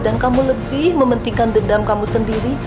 dan kamu lebih mementingkan dendam kamu sendiri